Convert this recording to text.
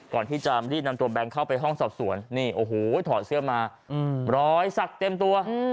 ก่อนที่จะรีบนำตัวแบงค์เข้าไปห้องสอบสวนนี่โอ้โหถอดเสื้อมารอยสักเต็มตัว